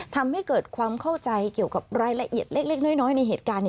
ทำให้เกิดความเข้าใจเกี่ยวกับรายละเอียดเล็กน้อยในเหตุการณ์